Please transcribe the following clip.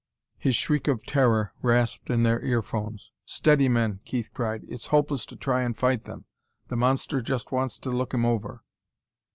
His shriek of terror rasped in their earphones. "Steady, men!" Keith cried. "It's hopeless to try and fight them! The monster just wants to look him over!"